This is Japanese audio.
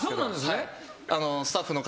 スタッフの方